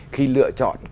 khi lựa chọn